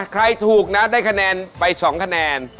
ใครถูกนะได้คะแนนไป๒คะแนน